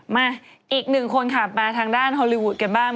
มาอีกหนึ่งคนค่ะมาทางด้านฮอลลีวูดกันบ้าง